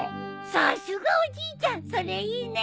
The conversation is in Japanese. さすがおじいちゃんそれいいね！